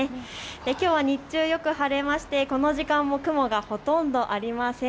きょうは日中よく晴れましてこの時間も雲がほとんどありません。